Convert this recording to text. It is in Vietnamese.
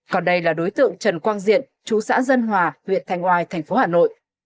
còn đây là đối tượng trần quang diện chú xã dân hòa huyện thành oai thành phố hà nội